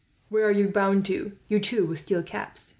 "Where are you bound to, you two with steel caps?"